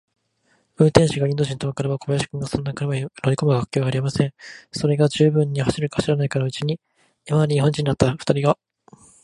運転手がインド人とわかれば、小林君がそんな車に乗りこむわけがありません。それが、十分も走るか走らないうちに、今まで日本人であったふたりが、